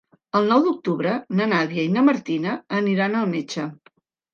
El nou d'octubre na Nàdia i na Martina aniran al metge.